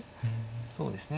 そうですね